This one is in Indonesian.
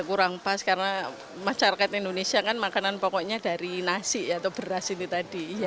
kurang pas karena masyarakat indonesia kan makanan pokoknya dari nasi atau beras itu tadi